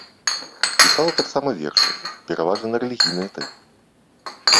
Пісала таксама вершы, пераважна на рэлігійныя тэмы.